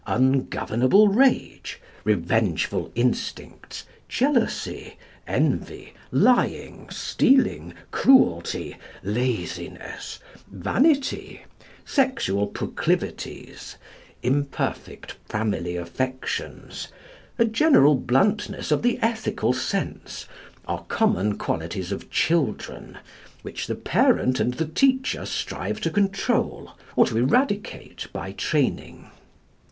Ungovernable rage, revengeful instincts, jealousy, envy, lying, stealing, cruelty, laziness, vanity, sexual proclivities, imperfect family affections, a general bluntness of the ethical sense, are common qualities of children, which the parent and the teacher strive to control or to eradicate by training.